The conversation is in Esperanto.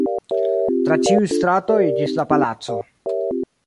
tra ĉiuj stratoj ĝis la palaco.